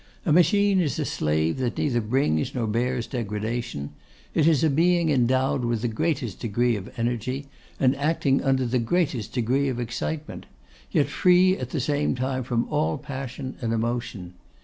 A machine is a slave that neither brings nor bears degradation; it is a being endowed with the greatest degree of energy, and acting under the greatest degree of excitement, yet free at the same time from all passion and emotion.